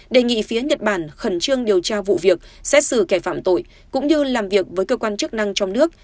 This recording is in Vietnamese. đề nghị phía nhật bản khẩn trương điều tra vụ việc xét xử kẻ phạm tội cũng như làm việc với cơ quan chức năng trong nước